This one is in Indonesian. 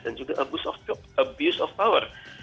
dan juga abuse of power